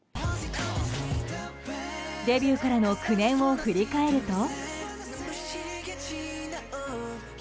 デビューからの９年を振り返ると。